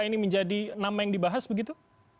ini menjadi nama yang dibahas begitu